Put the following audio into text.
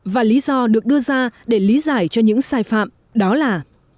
và lý do được đưa ra để lý giải cho những sai phạm đó là